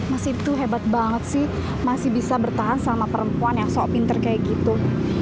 masih itu hebat banget sih masih bisa bertahan sama perempuan yang sok pinter kayak gitu